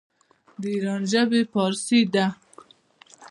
د ایران ژبې فارسي ده.